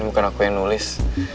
bukan aku yang nulis